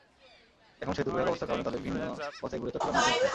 এখন সেতুর বেহাল অবস্থার কারণে তাঁদের ভিন্ন পথে ঘুরে চট্টগ্রাম যেতে হচ্ছে।